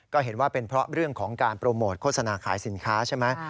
ก็เห็นว่าเป็นเพราะเรื่องของการโปรโมทโฆษณาขายสินค้าใช่ไหม